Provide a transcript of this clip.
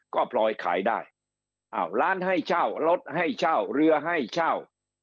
ก็พลอยขายได้อ้าวร้านให้เช่ารถให้เช่าเรือให้เช่า